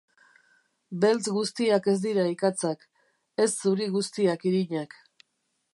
Beltz guztiak ez dira ikatzak, ez zuri guztiak irinak.